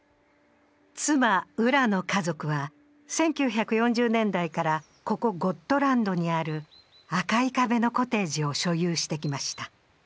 妻ウラの家族は１９４０年代からここゴットランドにある赤い壁のコテージを所有してきました。